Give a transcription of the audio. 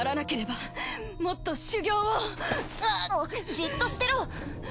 じっとしてろ！